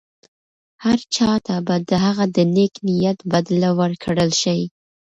هر چا ته به د هغه د نېک نیت بدله ورکړل شي.